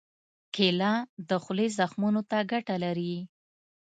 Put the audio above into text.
کېله د خولې زخمونو ته ګټه لري.